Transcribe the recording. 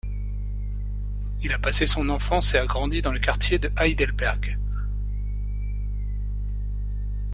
Il a passé son enfance et a grandi dans le quartier de Heidelberg.